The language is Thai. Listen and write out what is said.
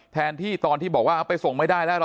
แทนที่ตอนที่บอกว่าเอาไปส่งไม่ได้แล้ว